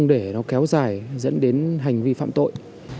dẫn đến hành vi phạm tội